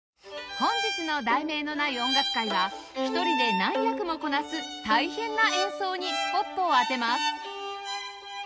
本日の『題名のない音楽会』は１人で何役もこなす大変な演奏にスポットを当てます